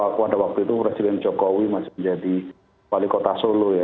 karena waktu itu presiden jokowi masih menjadi wali kota solo ya